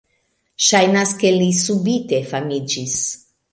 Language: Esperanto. Ŝajnas ke li subite famiĝis."